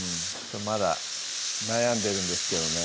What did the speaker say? まだ悩んでるんですけどね